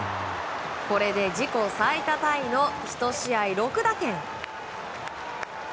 これで自己最多タイの１試合６打点。